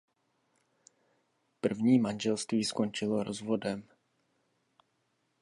První manželství skončilo rozvodem.